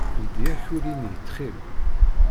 Ldi akuli-nni, ttxil.